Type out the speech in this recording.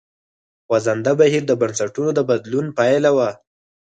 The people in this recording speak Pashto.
خوځنده بهیر د بنسټونو د بدلون پایله وه.